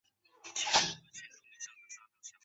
川中剪股颖为禾本科剪股颖属下的一个变种。